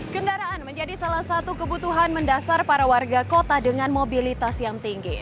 kendaraan menjadi salah satu kebutuhan mendasar para warga kota dengan mobilitas yang tinggi